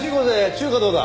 中華どうだ？